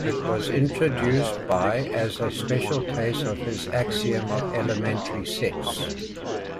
It was introduced by as a special case of his axiom of elementary sets.